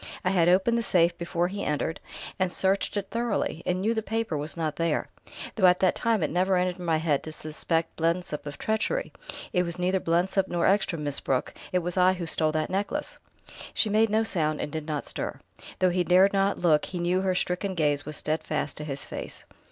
I had opened the safe before he entered, and searched it thoroughly, and knew the paper was not there though at that time it never entered my thick head to suspect Blensop of treachery. It was neither Blensop nor Ekstrom, Miss Brooke ... it was I who stole that necklace." She made no sound and did not stir; and though he dared not look he knew her stricken gaze was steadfast to his face.